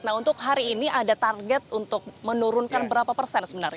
nah untuk hari ini ada target untuk menurunkan berapa persen sebenarnya